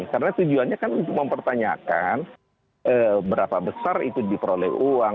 karena tujuannya kan untuk mempertanyakan berapa besar itu diperoleh uang